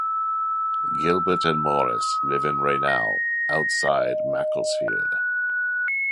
Gilbert and Morris live in Rainow, outside Macclesfield.